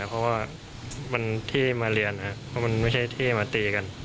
เพราะว่ามันที่มาเรียนมันไม่ใช่ที่มาตีกัน